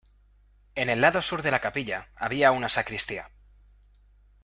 En el lado sur de la capilla, había una sacristía.